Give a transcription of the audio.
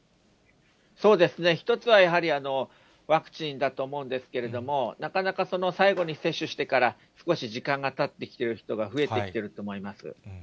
そうですね、一つはやはり、ワクチンだと思うんですけれども、なかなか最後に接種してから、少し時間がたってきてる人が増えてきてると思います。